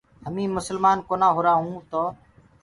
هميٚنٚ مسلمآن ڪونآ هووآنٚ تو